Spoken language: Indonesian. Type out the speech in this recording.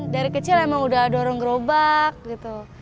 dari kecil emang udah dorong gerobak gitu